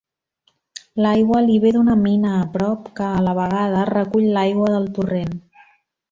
L'aigua li ve d'una mina a prop, que a la vegada recull l'aigua del torrent.